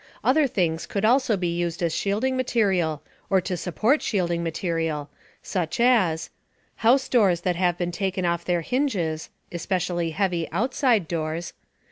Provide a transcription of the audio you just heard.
Other things could also be used as shielding material, or to support shielding material, such as: House doors that have been taken off their hinges (especially heavy outside doors).